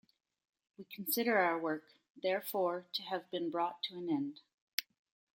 We consider our work, therefore, to have been brought to an end.